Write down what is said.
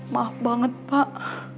maaf banget pak